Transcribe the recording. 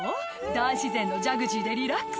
大自然のジャグジーでリラックス」